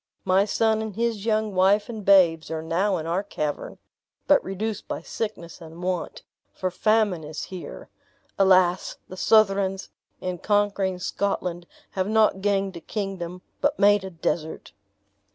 My son and his young wife and babes are now in our cavern, but reduced by sickness and want, for famine is here. Alas, the Southrons, in conquering Scotland, have not gained a kingdom, but made a desert!"